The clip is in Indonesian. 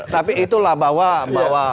tapi itulah bahwa apa namanya